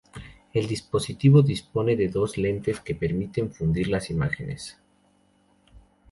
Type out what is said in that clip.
El dispositivo dispone de dos lentes, que permiten fundir las imágenes.